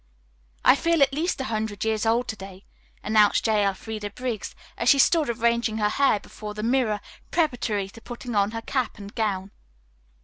"I feel at least a hundred years old to day," announced J. Elfreda Briggs, as she stood arranging her hair before the mirror preparatory to putting on her cap and gown.